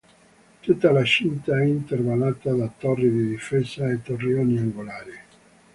Tutta la cinta è intervallata da torri di difesa e torrioni angolari.